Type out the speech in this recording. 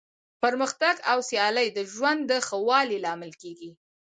پرمختګ او سیالي د ژوند د ښه والي لامل کیږي.